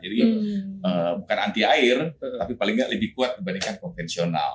jadi bukan anti air tapi paling nggak lebih kuat dibandingkan konvensional